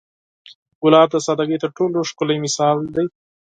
ګلاب د سادګۍ تر ټولو ښکلی مثال دی.